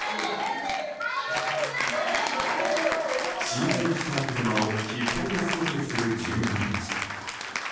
浸水した車を引っ張り出そうとする住民たち。